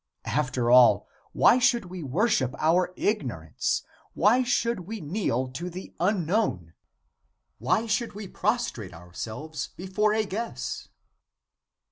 After all, why should we worship our ignorance, why should we kneel to the Unknown, why should we prostrate ourselves before a guess?